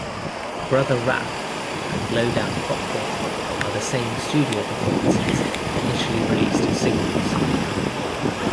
"Brother Rapp" and "Lowdown Popcorn" are the same studio performances initially released as singles.